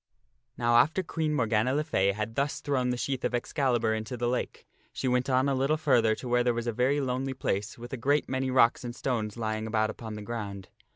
Now after Queen Morgana le Fay had thus thrown the sheath of Ex calibur into the lake, she went on a little farther to where was a very lonely place with a great many rocks and stones lying: about i i A j i i i i 11 Queen Morgana upon the ground.